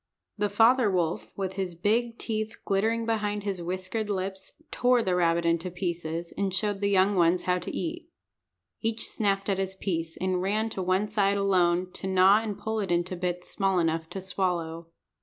The father wolf, with his big teeth glittering behind his whiskered lips, tore the rabbit into pieces, and showed the young ones how to eat. Each snapped at his piece, and ran to one side alone to gnaw and pull it into bits small enough to swallow.